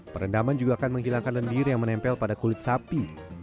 perendaman juga akan menghilangkan lendir yang menempel pada kulit sapi